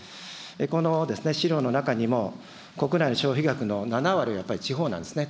この資料の中にも国内の消費額の７割はやっぱり地方なんですね。